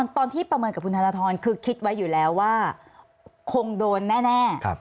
ตอนที่ประเมินกับคุณธนทรคือคิดไว้อยู่แล้วว่าคงโดนแน่